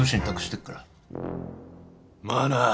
まあな。